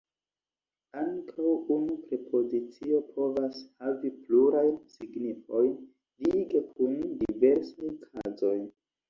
Ankaŭ unu prepozicio povas havi plurajn signifojn lige kun diversaj kazoj.